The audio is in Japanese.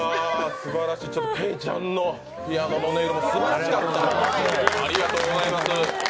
すばらしい、けいちゃんのピアノの音色もすばらしかった。